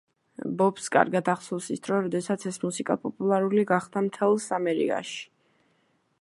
ბობს კარგად ახსოვს ის დრო, როდესაც ეს მუსიკა პოპულარული გახდა მთელს ამერიკაში.